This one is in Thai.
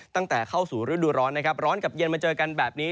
ตั้งแต่เข้าสู่ฤดูร้อนนะครับร้อนกับเย็นมาเจอกันแบบนี้